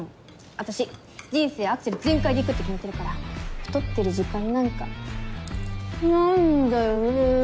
私人生アクセル全開でいくって決めてるから太ってる時間なんかないんだよね。